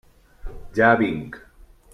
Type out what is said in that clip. Ja vinc.